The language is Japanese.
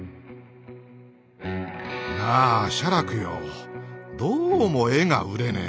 なあ写楽よどうも絵が売れねえ。